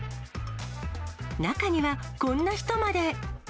中には、こんな人まで。